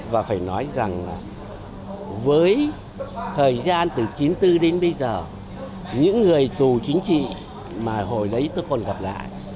và phải nói rằng là với thời gian từ chín mươi bốn đến bây giờ những người tù chính trị mà hồi đấy tôi còn gặp lại